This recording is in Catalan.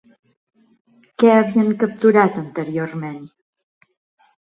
Què havien capturat anteriorment?